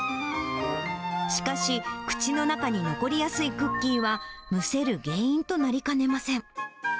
しかし、口の中に残りやすいクッキーはむせる原因となりかねません。